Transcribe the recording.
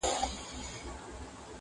o چي په اسانه ئې گټې، په اسانه ئې بايلې!